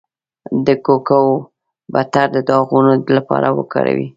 د کوکو بټر د داغونو لپاره وکاروئ